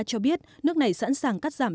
cho biết nước này sẵn sàng cắt giảm